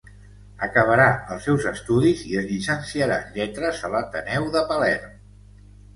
Acabarà els seus estudis i es llicenciarà en lletres a l'Ateneu de Palerm.